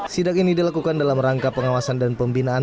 sidak ini dilakukan dalam rangka pengawasan dan pembinaan